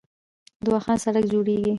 د واخان سړک جوړیږي